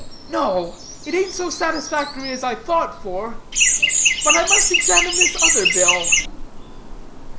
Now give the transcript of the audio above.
"No; it ain't so satisfactory as I thought for, but I must examine this other bill."